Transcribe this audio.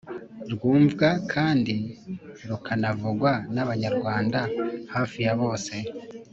rwumvwa kandi rukanavugwa n’abanyarwanda hafi ya bose.